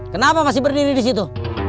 kenapa masih berdiri di situ